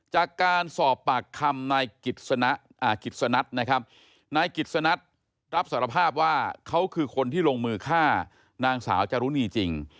จากการสอบปากคำนายกิจสนัทนะครับนายกิจสนัทรับสารภาพว่าเขาคือคนที่ลงมือฆ่านางสาวจรุณีจริง